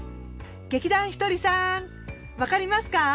劇団ひとりさんわかりますか？